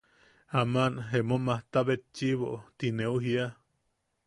“aman emo majta betchiʼibo” ti neu jiia.